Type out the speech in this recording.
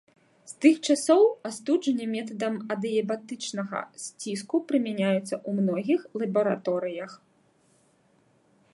З тых часоў астуджэнне метадам адыябатычнага сціску прымяняецца ў многіх лабараторыях.